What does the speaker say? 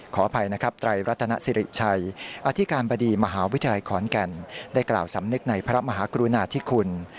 ขออภัยนะครับไตรรัตนสิริชัยอธิการบดีมหาวิทยาศาสตร์สุขภาพมหาวิทยาขอนแก่นได้กล่าวสำนึกในพระมหากุรุณาที่คุณ